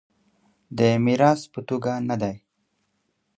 د میراث په توګه نه دی.